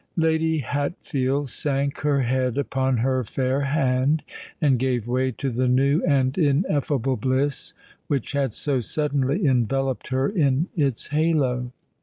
Lady Hatfield sank her head upon her fair hand, and gave way to the new and ineffable bliss which had so suddenly enveloped her in its halo.